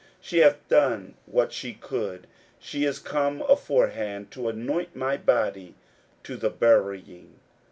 41:014:008 She hath done what she could: she is come aforehand to anoint my body to the burying.